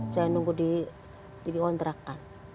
saya nunggu dikontrakan